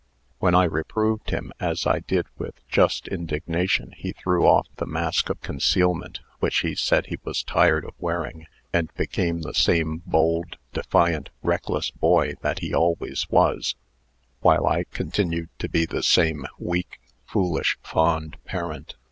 "When I reproved him, as I did with just indignation, he threw off the mask of concealment, which he said he was tired of wearing, and became the same bold, defiant, reckless boy that he always was; while I continued to be the same weak, foolish, fond parent.